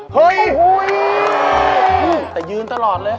โอ้โฮพี่แต่ยืนตลอดเลย